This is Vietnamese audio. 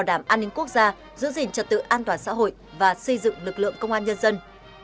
an ninh quốc gia giữ gìn trật tự an toàn xã hội và xây dựng lực lượng công an nhân dân